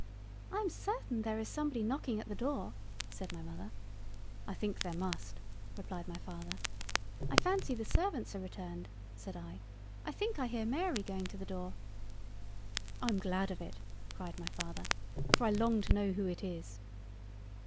"I am certain there is somebody knocking at the Door." (said my Mother.) "I think there must," (replied my Father) "I fancy the servants are returned; (said I) I think I hear Mary going to the Door." "I'm glad of it (cried my Father) for I long to know who it is."